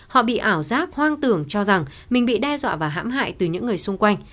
họ bị ảo giác hoang tưởng cho rằng mình bị đe dọa và hãm hại từ những người xung quanh